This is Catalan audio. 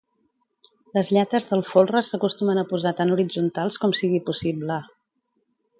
Les llates del folre s'acostumen a posar tan horitzontals com sigui possible.